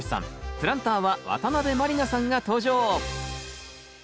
プランターは渡辺満里奈さんが登場！